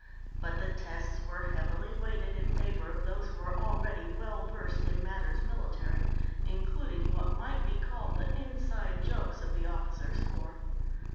But the tests were heavily weighted in favor of those who were already well versed in matters military, including what might be called the "inside jokes" of the officers' corps.